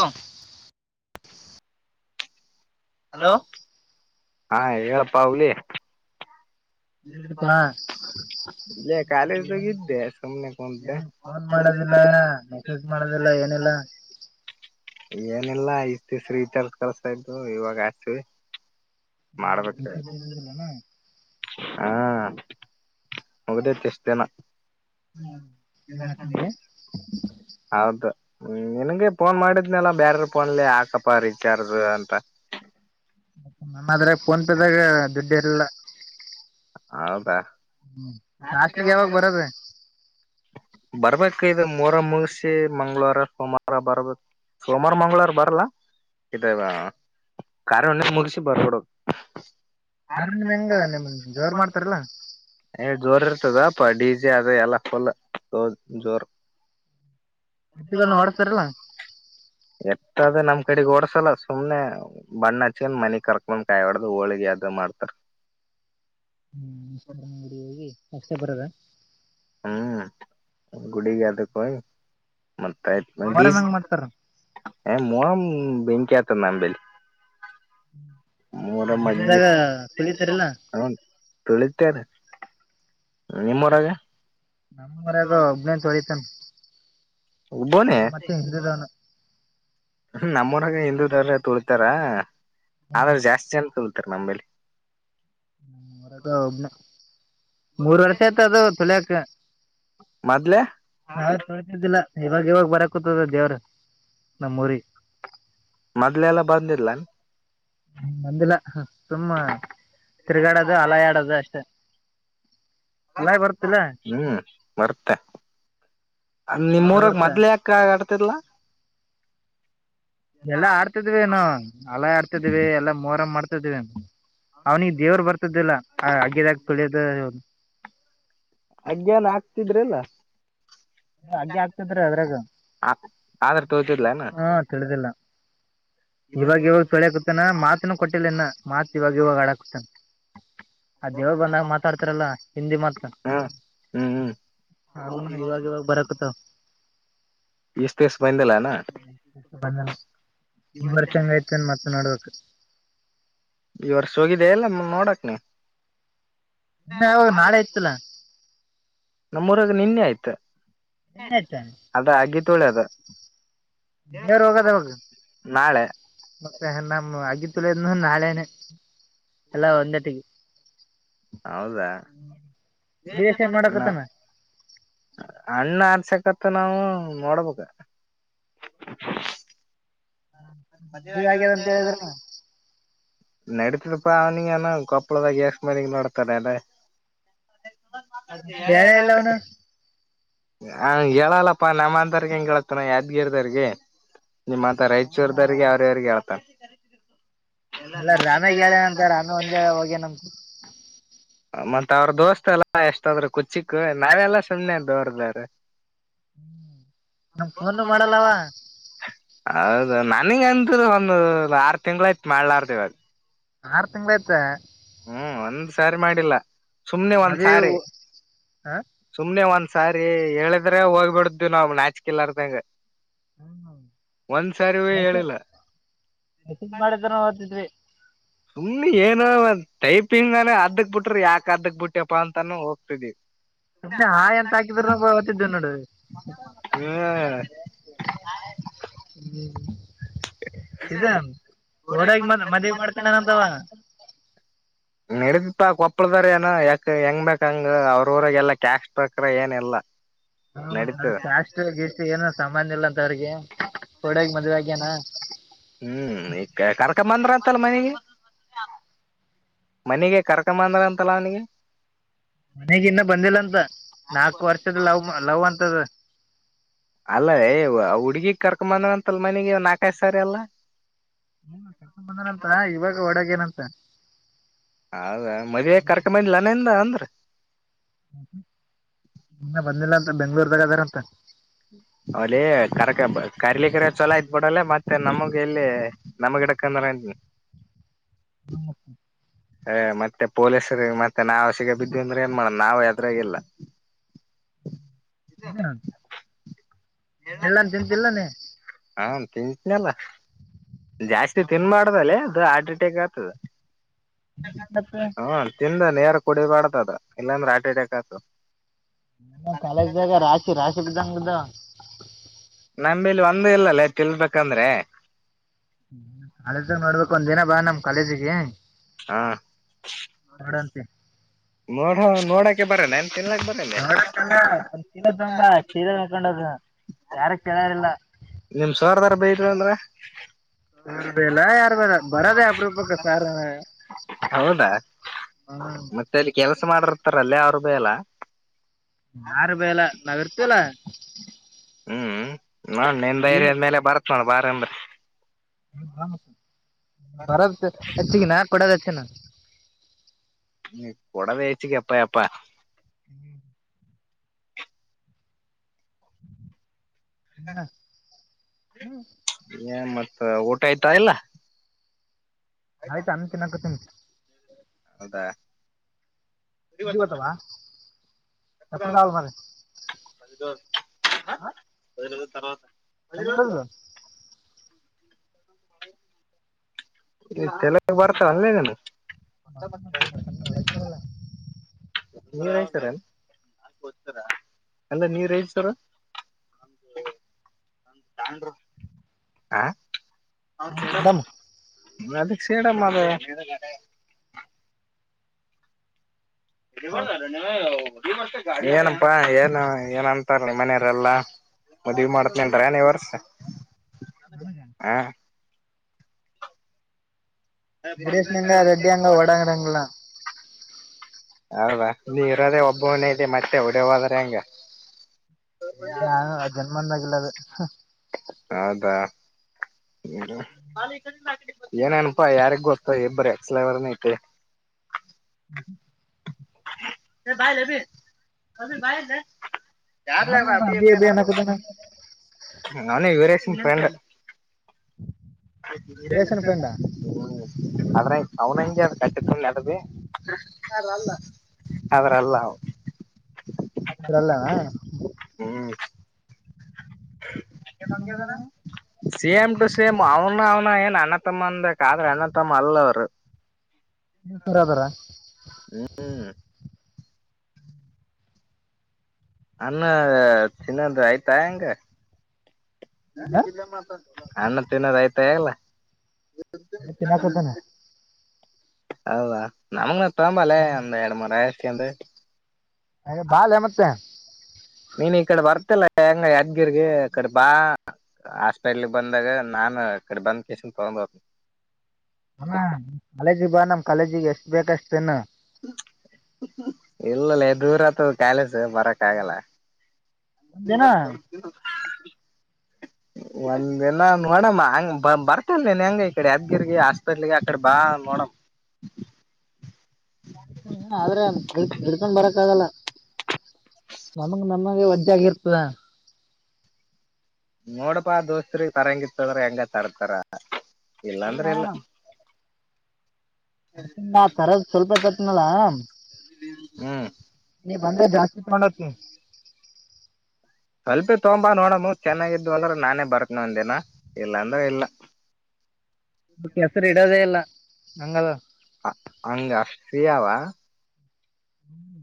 ಹತ್ತ ಹಲೋ ಹಾ ಹೇಳಪ್ಪಾ ಅವಲಿ ಎಿದೀಪ್ಪ ಇಲ್ಲೇ ಕಾಲೇಜ್ದಾಗ ಏನ್ ಇದ್ದೆ ಸುಮ್ನೆ ಕುಂತೆ ಏನ್ ಫೋನ್ ಮಾಡದಿಲ್ಲ ಮೆಸೇಜ್ ಮಾಡದಿಲ್ಲ ಏನಿಲ್ಲ ಇನ್ನೆಲ್ಲಾ ಇ ಶ್ರೀತರ್ ಕಲ್ಸ ಇದ್ು ಇವಾಗ ಹಸ್ವಿ ಮಾಡ್ಬೇಕ ರಿಚಾರ್ಜ್ದಿದ್ದಿಲ್ಲನ ಹಾ ಹೋಗದೇತಿ ಎಷ್ಟ ದೇನ ನೀವ್ ಹಾಕೊಂಡಿ ಹೌದು ಹ್ಮ್ ನನ್ಗೆ ಫೋನ್ ಮಾಡಿದ್ನಲ್ಲ ಬ್ಯಾರ್ರ ಫೋನ್ಲಿ ಹಾಕಪ ರೀಚಾರ್ಜ್ ಅಂತ ನಮ್ಮದ್ರಾಗ ಫೋನ್ ಪೇದಾಗ ದುಡ್ಡು ಇರಲ್ಲ ಹೌದಾ ಹ್ಮ ಮ ಹಾಸ್ಟ್ಲಿಿಗೆ ಯಾವಾಗ ಬರದ್ರೆ ಬರ್ಬೇಕು ಇ ಮೂರ ಮುಗಸಿ ಮಂಗ್ಗಳವಾರ ಸೋಮವಾರ ಬರ್ಬೇಕ ಸೋಮವಾರ ಮಂಗಗಳವಾರ ಬರಲ್ಲ ಇದ ಕಾರ್ಯ ಮುಗಸಿ ಬರ್ಬಿಡೋದು ಆದ್ರ ನಿಮ್ ಹೆಂಗ ನಿಮ್ ಜೋರ್ ಮಾಡ್ತಾರಲ್ಲ ಜೋರ್ ಇರ್ತದ ಅ ತೊ ಜ್ರ್ ಎತ್ತುಗಳನ್ನ ಓಡಸ್ತಾರಲ್ಲ ಎತ್ತದ ನಮ್ ಕಡೆಗೆ ಓಡ ಸಲ ಸುಮ್ನೆ ಬಣ್ಣ ಹಚ್ಚನ್ ಮನಿ ಕರ್ಕಂದ್ ಕಾಯಿ ಹೊಡ್ದ ಹೋಳಿಗೆ ಯಾವ್ದ ಮಾಡ್ತಾರ ಹ್ಮ್ರ ಅಂಗಡಿ ಹೋಗಿ ಅಷ್ಟೇ ಬರೋದ ಹ್ಮ್ ಗುಡಿಗ ತ ಕೈ ಮತ್ತ ಬ ಮೊಹರಂ ಹೆಂಗ್ ಮಾಡ್ತಾರ ಹ್ಮ ಬೆನಿಕಾತಂದ ಅಂಬಲಿ ಮಿದ್ದಾಗ ಕುಳಿತಾರಲ್ಲ ಅತ್ಯದ ನಮ್ಮರಾಗ ಒಬ್ನೇ ತೊಳಿತನ್ ಉಬೋ ನ ನಮ್ಮೂರಗೆ ಹಿಂದೂದಾರ ತುಳತಾರ ಆದ್ರ ಜಾಸ್ತಿ ಅನ್ಕ ನಂಬಲಿಿ ಒನ ಮೂರ್ ವರ್ಷ ಆಯ್ತ ಅದು ತುಲಿಯಕ ಮೊದ್ಲೆ ತೊತಿದ್ದಿಲ್ಲ ಇವಾಗ ಇವಾಗ ಬರ ಕುೂತ್ತದ ದೇವ್ರ ನಮ್ಮ ಊರಿ ಮೊದ್ಲೆ ಎಲ್ಲ ಬಂದಿಲ್ಲ ್ಮ ಮಂದಲ ಸುಮ್ಮ ತಿರ್ಗಾಡೋದು ಹಲಯಾಡದು ಅಷ್ಟೇ ಅಲಾಯ ಬರ್ತಿಲ್ಲ ಹ್ಮ್ ಬರ್ತ್ತ ನಿಮ್ಮೂರಗ್ ಬರ್ತ ಮೊದ್ಲ ಯಾಕ ಆ ಹತ್ತರ್ಲ ಎಲ್ಲಾ ಆಡ್ತಿದ್ವಿನು ಹಲ ಆಡ್ತಿದ್ವಿ ಎಲ್ಲಾ ಮೋರ ಮಾಡ್ತವಿ [inaudible] ಅವ್ನಿಗೆ ದೇವ್ರ ಬರ್ತದಿಲ್ಲ ಆ ಆಗ್ಯದಾಗ ತೊಳಿಯದದು ಅಜ್ಯನ್ ಆಗ್ತಿದ್ರಲ್ಲ ಹಗ್ಗೆ ಆಗ್ತಿದ್ರ ಅದ್ರಾಗ ಆದ್ರ ತೋತಿದ್ಲನ ಹಾ ತಿಳಿದಿಲ್ಲ ಇವಾಗ ಇವಾಗ ಸಳ್ಯಕತಾನ ಮಾತನು ಕೊಟ್ಟಿಲ್ಲ ಇನ್ನ ಮಾತ್ ಇವಾಗ ಇವಾಗ ಹಡಾಕತಾನ ಹ ಅದೇವಾಗ ಬಂದಾಗ ಮಾತಾಡ್ತಾರಲ್ಲ ಹಿಂದಿ ಮಾತವಾಗಾಗ ಹ್ಮ್ ಹ್ಮ್ ಹ್ಮ್ ಈಸ್ಟ್ ದಿವಸ ಬಂದಿಲ್ಲಾನ ಹ್ಮ್ಮ್. ಬಂದ ಈ ವರ್ಷ ಹೆಂಗಐ್ತ ಅನ್ ಮತ್ತೆ ನೋಡ್ಬೇಕು ಈ ವರ್ಷ ಹೋಗಿದೆ ಎಲ್ಲ ನೋಡಕ್ ನೀ ಇನ್ನೆ ಯಾವಾಗ ನಾಳೆ ಇತಲ ನಮ್ಮೂರಾಗ ನಿನ್ನೆ ಆಯ್ತಾ ಅದ ಆಗಿ ತುಳಿಯದು ದೇವ್ರ ಹೋಗದ ಅವಾಗ ನಾಳೆ ಮತ್ತೆ ನಮ ಆಗಿತ್ತುಲ ನಾಳೆನೆ ಎಲ್ಲಾ ಒಂದೇಟಿಗೆ ಹೌದಾ ವೀರೇಶ್ ಏನ್ ಮಾಡಕತ್ತಾನ ಅಣ್ಣ ಆರ್ಸಕತ್ ನಾವು ನೋಡಬೇಕ ಹ ಮದದಗ್ಯದಂತ ಹೇಳಿದ್ರ ನಡತರಪ್ಪಾ ಅವ್ನಿಗೆನ ಕೊಪ್ಪಳದಾಗ ಗ್ಯಾಸ್ ಮಾಲಂಗ ನಡ್ತಾರೆ ಅಲ್ಲ ಮತ್ತೆ ಹೇಳ ಎಲ್ಲ ಅವನು ಹ ಹೇಳಲ್ಲಪ್ಪ ನಮ್ಮಂತ ರ್ ಹೆಂಗಗಳತನ ಯಾದ್ಗೀರದರ್ಗೆ ನಿಮ್ಮತ್ರ ರೈತ್ಚೂರ್ದರಿಗೆಗೆ ಅವ್ರ ಯವ್ರಿಗೆ ಆತ ಎಲ್ಲ ರಾಮೇಗ್ ಹೇಳೇನಂತ ರಾಮೆ ಒಂದೇ ಹೋಗೇನಂತ ಮತ್ತ ಅವ್ರ ದೋಸ್ತ್ ಎಲ್ಲಾ ಎಷ್ಟಾದ್ರರು ಕುಚಿಕ್ಕ ನಾವೆಲ್ಲಾ ಸುಮ್ನೆ ದೋರ್ರ ಹ್ಮ ನಮ್ ಫೋನು ಮಾಡಲ್ಲವಾ ನನಗಂತ ಒಂದು ಆರು ತಿಂಗ್ಗಳಾಯಯತು ಮಾಡ್ಲಾರ್ದವ ಅದ ಆರು ತಿಂಗ್ಗಳ ಆಯ್ತಾ ಹ್ಮ್ ಒಂದ್ ಸಾರಿ ಮಾಡಿಲ್ಲ ಸುಮ್ನೆ ಒಂದ ಮದ್ವಿ ಸಾರೆ ಸುಮ್ನೆ ಒಂದ ಸರಿ ಹೇಳಿದ್ರೆ ಹೋಗ್ಬಿಡ್ದು ನಾವ್ ನಾಚ್ಕಲದಂಗ [inaudible] ಹ ಹ ಮೆಸೆ ಹೇಳಿಲ್ಲ ಮೆಸೇಜ್ ಮಾಡಿದನ ಓದದಿದ್ವಿ ಸುಮ್ನೆ ಏನ ಟೈಪಿಂಗ್ನ ಅರಕ್ ಬಿಟ್ರಿ ಯಾಕ ಅದಕ್ ಬಿಟ್ಟ್ಯಪ್ಪಾ ಅಂತಾನೂ ಹೋಗ್ತಿದವಿ ಮೆ ಹಾ ಎಂತ ಹಾಕಿದ್ರ ಹೊತಿದ್ದೆ ನೋಡ ಹ್ಮ್ ಹ್ಮ್ ಇದ ಓಡಾಗಿ ಮ ಮದ್ವಿ ಮಾಡ್ಕೊಂಡನಂತಾವ ನಡತಿಪ ಕೊಪ್ಪಳದಾರಏನ ಯಾಕ ಹೆಂಗ್ ಬಕ್ಂಗ ಅವ್ರಗೆ ಎಲ್ಲಾ ಕ್ಯಾಶ್ ಬಕ್ರ ಏನ್ಲ್ಲಾ ಹ್ಮ ಅದಾಸ್ಷ್ಟ ಏನ ಸಾಮಾನನ್ ಇಲ್ಲ [inaudible] ರ್ಗೆ ಹ್ಮ್ ಈ ಕರ್ಕ ಬಂದ್ರ ಅಂತಲ್ಲ ಮನೆಗೆ ಮನೆಗೆ ಕರ್ಕಂಬಂದ್ರ ಅಂತಲ್ಲ ಅವನಿಗೆ ಮನೆಗ ಇನ್ನ ಬಂದಿಲ್ಲ ಅಂತ ನಾಲ್ಕು ವರ್ಷದ ಲವ್ ಲವ್ ಅಂತ ತದು ಅಲ್ಲ ರೇ ಹುಡ್ಗಿಗ್ ಕರ್ಕ ಬಂದ ಅಂತಲ್ ಮನೆಗೆ ನಾಲ್ಕಾಯ ಸಾರಿ ಅಲ್ಲ ಏ ಕರ್ಕೊಂಡ ಬಂದನಂತ ಇವಾಗ ಒಡಗೇನಂತ ಹೌದ ಮದ್ ಕರ್ಕ ಬಂದ್ಲ್ಲನಿಂದ ಅಂದ್ರ [inaudible] ಇನ್ನ ಬಂದಿಲ್ಲ ಬೆಂಗ್ಳೂರ್ದಾಗ ಅದಾರಂತ ಅವಲ ಕರಕ ಕರಿಲಿಕ್ಕೆರೆ ಚಲೋ ಕೊೂಡಲ್ಲ ಮತ್ತೆ ನಮಗೆ ಎಲ್ಲಿ ನಮ ಗಿಡಕಂದ್ರಿ ಮತ್ತೆ ಪೊಲೀಸ್ರ ಮತ್ತೆ ನಾವವು ಸಿಗ ಬಿದ್ವಿ ಅಂದ್ರೆ ಏನ್ ಮಾಡಣ ನಾವವು ಯದ್ರಾಗಿಲ್ಲ ಇದೇ ನ [inaudible] ಎಲ್ಲನ್ ತಿಂತಲ್ಲ ನೀ ಹಾ ತಿಂತನಲ್ಲ ಜಾಸ್ತಿ ತಿನ್ ಮಾಡಾದಲ್ಲ ಅದು ಹಾರ್ಟ್ ಅಟ್ಯಾಕ್ ಆಗ್ತದ ಹಾ ಚಿಂದ ನೇರ ಕುಡಿಬಾರ್ದ ಅದ ಇಲ್ಲಾಂದ್ರೆ ಆಟಿಡಕ ಆತು ಕಾಲೇಜ್ದಾಗ ರಾಶಿ ರಾಶಿ ಬಿದ್ದಂಗ್ದ ನಮಿಲ್ಲಿ ಒಂದ ಇಲ್ಲಲ್ಲೇ ತಿಲ್ಬೇಕಂದ್ರೆ ಹ್ಮ ಹಳೆ ನೋಡ್ಬೇಕು ಒಂದ್ ದಿನ ಬಾ ನಮ್ ಕಾಲೇಜಿಗೆ ಹಾ ನೋಡಂತಿ ನೋಡ ನೋಡಕ್ಕೆ ಬರ ನನ್ ನೋಡಲ್ಲದ ಅಂಬ ಚೀರ ಹಕೊಂಡದು ಯಾರ ಕೇಳಾರಿಲ್ಲಲ್ಲ ನಿಮ್ ಸೋರ್ದಾರ್ ಬೈದ್ರು ಅಂದ್ರ ಯಾರ ಬ ಬರದ ಅಪ್ರೂಪಕ್ಕ ಸಾರ ಹೌದಾ ಹ್ಮ ಅಲ್ಲ ಯಾರೂ ಬಾಯಲ ನಾ ವರುತಲ ಹ್ಮ್ ನಾನ್ ನಿನ್ ೈ್ಯಯ ಆದ್ಮೇಲೆ ಬರತ್ ನೋಡ ಬಾರಂಬ್ರ ಗ್ರಾಮಸ ಬರದ ಹೆಚ್ಚಿಗೆ ನಾ ಕೊಡದ ಅಚ್ಚೆನ ಹ್ಮ ಕೊಡ ಬೇಚ ಕೆಪ್ಪ ಯಪ್ಪಾ ಹ್ಮ ಹ್ಮ್ ಏನ್ ಊಟ ಆಯ್ತಾ ಎಲ್ಲ ಆಯ್ತು ಆಮತಿ ನಕು್ ಹೌದಾ ಬರಿ ಬತವಾ ಯಕರ ಬರ ಬರ ತರ್ವತ ಅಲ್ಲ ಇ ತಲ ಬರ್ತಾರ ಅಲ್ಲೇ ನಾನು ಮತ್ತಲ್ಲಲ್ಲ ನೀರತರ ಏ ಅಂದ ನೀ ಸರ ಆ ಹೌ ಕೆಸ ಮೇಡಮ್ ಅದಕ್ಕೆ ಸೇಡ ಮಾಡದ ಏನಪ್ಪಾ ಏನ್ ಏನಂತಾರ ಮನೆಯರೆಲ್ಲಾ ಮದ್ವಿ ಮಾಡತ್ನನ್ರ ನೀ ವರ್ಸ ನಾನು ಜ ಗರೇಶ್ನಂಗ ರೆಡ್ಟ್ಟಿಯ ಅಂಗ ಓಡಾಂಗಡಂಗಲ್ಲಾ ಹೌದಾ ನೀ ಇರದೇ ಒಬ್ಬನೇ ಮತ್ತೆ ಹೊಡ ಹದ್ರೆ ಹೆಂಗ ಜನ್ಮಂದ ಆಗಿಲ್ಲ ಅದ ಹಾ ಹೌದಾ ಹ್ಮ್ ಏನನಪಾ ಯಾರಿಗ್ ಗೊತ್ತ ಇಬ್ಬರಿ ಅಕ್ಸಲವರ್ನ ಐತೆ ಹ್ಮ ರ ಬಾಯ ಅಭಿ ಅಭಿ ಭಾಯ ರ ಯಾರ್ಾರ ಯಾರ ಅಬಿ ಅಭಿ ಅಬಿ ಅಭಿ ಅ ಅನ್ನಕೂತಾನ ನಾನ ಬೇರ ಹಲ್ಲ ನಿರೇಶನ್ ವೀರೇಶನ್ ಫ್ರಂಡ ಫ್ರೆಂಡ ಆದದ್ರ ಅವನಂಗೆ ಅ ಕಚ್ಚ ಅದ ಅದ್ರಲ್ಲ ಅದ್ರಲ್ಲವಾ ಹ್ಮ್ ಸೇಮ್ ಟು ಸೇಮ್ ಅವನ ಅವನ ಏನ್ ಅನ್ನ್ಣತ್ತಮ್ಮ ಅಂದ ಕಾದ್ರೆ ಅನ್ನತ್ತಮ್ಮ ಅಲ್ಲವರು ನೀ ತರತರ ಹ್ಮ್ ಅನ್ನ ಚನ್ನಂದ್ರ ಆಯ್ತಾ ಹಂಗ ಅಣ್ಣ ತಿನ ಆ್ತು ೇಲ್ಲ [inaudible] ತಿನ್ನಕತ್ತಾನ ಹೌದಾ ನಮಂಗ ಇಂಬಾಲೆ ಅಂದ ಎರಡು ಮೂರ ಂತ ಅೆ ಬಾಲ್ ಮತ್ತೆ ನೀನ್ ಈ ಕಡೆ ಬರ್ತಿಲ್ಲ ಹೆಂಗ ಯಾದ್ಗಿರ್ಗ ಅ ಕಡೆ ಬಾ ಹಾಸ್ಪೆಟ್ಲ್ಗ್ ಬಂದಾಗ ನಾನು ಅಡೆ ಬಂದ ಕಸನ್ ತಗೊಂಡ್ ಹೋದನಿ ಹ ಕಾಲೇಜಿ ಬಾ ನಮ್ ಕಾಲೇಜಿಗೆ ಎಷ್ಟ ಬೇಕಷ್ಟನ್ನು ಹ್ಮ ಇಲ್ಲಲ್ಲ ದೂರತ ಕಾಲೇಜ ಬರಕ್ ಆಗಲ್ಲ [inaudible] ಒಂದಿನ ಒಂದ ದಿನ ನೋಡಮ್ಮ ಹಂಗ ಬ ಬರ್ತಲ್ ನನ್ ಹೆಂಗ ಈಕಡೆ ಯದ್ಗಿರ್ಗ ಹಾಸ್ಪೆಟ್ಲ್ಗೆ ಅಕಡೆ ಬಾ ನೋಡಮ ಇ ಏನ ಆದ್ರೆ ಇ ಇಡ್ಕೊಂಡ್ ಬರಕ್ಕ ಆಗಲ್ಲ ನಮಗೆ ನಮಗೆ ವಜ್ಜಾಗಿ ಇರ್ತದ ನೋಡಪಾ ದೋಸ್ತ್ ತರಂಗ ಇತ್ತದ್ರ ಹೆಂಗ ತರ್ತಾರ ಇಲ್ಲಾಂದ್ರೆ ಎಲ್ಲ ಅ ತರದ ಸ್ವಲ್ಪ ತ ಸನ್ನಲಾಮ ಹ್ಮ್ ಬಂದ ಜಾಸ್ತಿ ತಗೊಂಡತ್ ನೀ ಸ್ವಲ್ಪಿ ತೊಂಬ ನೋಡಮ್ಮ ಚೆನ್ನಾಗಿದು ಅಂದ್ರ ನಾನೇ ಬರ್ಕ್ನ ಒಂದ ದಿನ ಇಲ್ಲಾ ಅಂದ್ರ ಇಲ್ಲ ಕೆಸರು ಇಡೋದೆೇ ಇಲ್ಲ ಗಂಗಲ ಹ ಹಂಗ ಫ್ರೀಯಾವ ಹ್ಮ್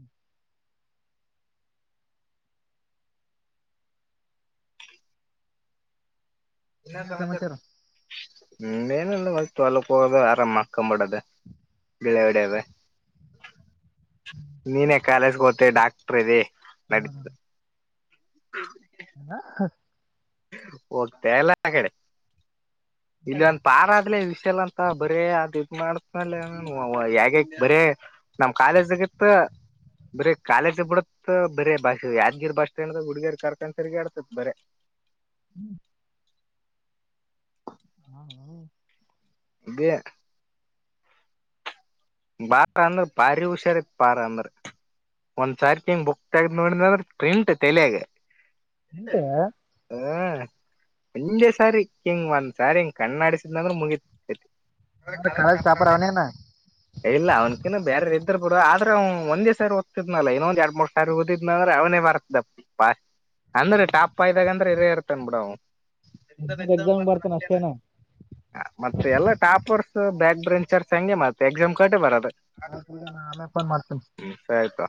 ಇನ್ನ ಇನ್ನೇನ್ ತತ ಸಮಾಚಾರ ಹ್ಮ ಏನಲ್ಲು ಅಲ್ಕ್ಕ ಹೋಗೋದ ಆರಾಮ ಹಕೊಬಿಡದೆ ಬಿಳೆಗಡದ ನೀನೇ ಕಾಲೇಜ್ಗೆ ಹತ್ತೇ ಡಾಕ್ಟ್ರ ಇದೆ ನಡತದೆ ಹ್ಮ ಅಲ್ಲ ಹೋಗ್ತ ಅಲ್ಲಾ ಆ ಕಡೆ ಇಲ್ಲ ಒನ್ ಪಾರ ಆದಲೇ ವಿಷ ಅಂತ ಬರೀ ಅದ ಇದ್ ಮಾಡತ್ನ ಯಗ ಬರ ನಮ್ ಕಾಲೇಜ್ಗತ್ ಬರೀ ಕಾಲೇಜ ಬಿಡತ್ ಬರ ಬಸ್ ಯಾದ್ಗಿರಿ ಬಸ್ ಸ್ಟ್ಯಾಂಡ್ ಹುಡುಗಿರ್ ಕಾರ್ಖಾನಸಗ ಆಡ್ತತ್ ಬರ ಹ್ಮ್ ಹಾ ಹ್ಮ ಬ ಬಾರ ಅಂದ್ರ ಬಾರಿ ಹುಷಾರತ್ ಬಾರ ಅಂದ್ರ ಒಂದ್ಸಾರಿ ತಿಂಗ ಬುಕ್ ತಗ್ದ್ ನೋಡಿದ ಅಂದ್ರ ಪ್ರಿಂಟ್ ತೆಲಯಾಗ ಎಂತವಾ ಹ್ಮ ಮುಂಜೆ ಸಾರಿ ಹಿಂಗ್ ಒಂದ್ಸಾರಿ ಹಿಂಗ್ ಕಣ್ಣಾಡಿಸಿದಂದ್ರೆ ಮುಗತಿ ನ ಕಳ ತಾಪರ ಅವನ ಇಲ್ಲ ಅವ್ನಕಿನು ಬೇರೆ ಇದ್ರರು ಬರು ಆದ್ರೆ ಅವ್ನ್ ಒಂದೇ ಸಾರಿ ದ್ತಿದ್ನಲ್ಲ ಇನ್ನೊಂದ ಎರಡ್ ಮೂರ್ ಸಾವ ಓದಿದ್ನಂದ್ರೆ ಅವನೇ ಬರ್ತದಪ್ಪ ಪಾಸ್ ಅಂದ್ರೆ ಟಾಪ್ ಇದ್ದಾಗಂತ ಂದ್ರೆರೇ ಇರ್ತಾನನ್ ಬಿಡ ಅವವು ಎ್ ಎಸ ಎಕ್ಸಾಮ್ ಬರ್ತಾನ ಬರ್ತ ಅೇ ಅಷ್ಟೇನ ಮತ್ತೆ ಎಲ್ಲ ಟಾಪರ್ಸ್ ಬ್ಯಾಕ್ ಬ್ರ ಚಾರ್್ ಸೆ ಮ ಎಕ್ಸಾಮ್ ಕಟ್ಟೇ ಬರಾರದ ಅ ಕೂಡ ನಾ ಆಮೆ ಫನ್ ಮಾಡ್ತೇನ ಸರಿ ತೊ